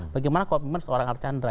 bagaimana komitmen seorang archandra